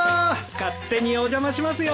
勝手にお邪魔しますよ。